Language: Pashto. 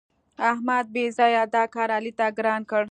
احمد بېځآیه دا کار علي ته ګران کړ.